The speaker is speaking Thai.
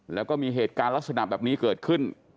แล้วก็มีเหตุการณ์ลักษณะแบบนี้เกิดขึ้น